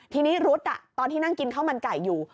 ทีนี้รุ๊ดตอนที่นั่งกินข้าวมันไก่อยู่